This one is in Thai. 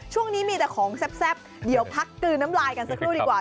ช่วงนี้มีแต่ของแซ่บเดี๋ยวพักกลืนน้ำลายกันสักครู่ดีกว่า